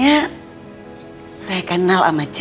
jadi saya perlu lapel di kantin istri ya